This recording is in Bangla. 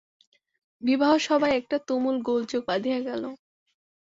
বিবাহসভায় একটা তুমুল গোলযোগ বাধিয়া গেল।